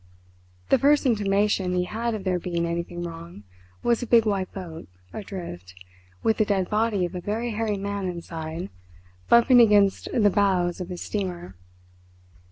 The first intimation he had of there being anything wrong was a big white boat, adrift, with the dead body of a very hairy man inside, bumping against the bows of his steamer.